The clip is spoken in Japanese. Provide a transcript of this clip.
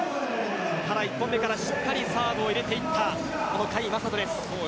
ただ、１本目からしっかりサーブを入れていった甲斐優斗です。